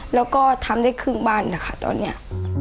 แล้วก็ทำได้ครึ่งบ้านนะคะตอนนี้